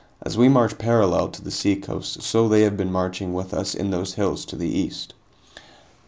As we march parallel to the seacoast, so they have been marching with us in those hills to the east."